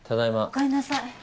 おかえりなさい。